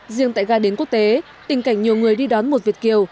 riêng tại gà đến quốc tế tình cảnh nhiều người đi đón một việt kiều